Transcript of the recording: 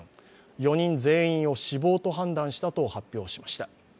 ４人全員を死亡と判断したと発表しました。